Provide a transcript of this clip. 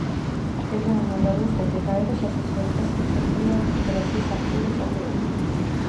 ელეონორა რუზველტი გაეროს ასოციაციათა მსოფლიო ფედერაციის აქტიური წევრი იყო.